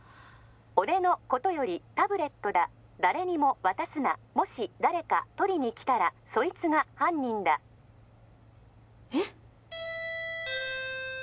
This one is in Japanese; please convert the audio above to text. ☎俺のことよりタブレットだ誰にも渡すな☎もし誰か取りに来たらそいつが犯人だえっ！？